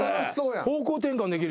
方向転換できるやん。